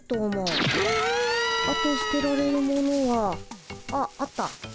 あと捨てられるものはあっあった。